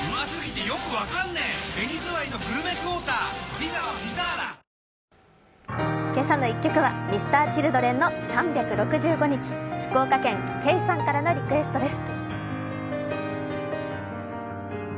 三井不動産「けさの１曲」はＭｒ．Ｃｈｉｌｄｒｅｎの「３６５日」福岡県けいさんからのリクエストです。